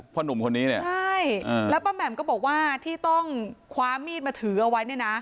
หนุ่มคนนี้เนี่ยใช่แล้วป้าแหม่มก็บอกว่าที่ต้องคว้ามีดมาถือเอาไว้เนี่ยนะ